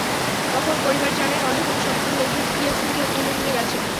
তখন পরিবার জানায়, অন্য কোনো সংস্থার লোকজন ইয়াসিনকে তুলে নিয়ে গেছেন।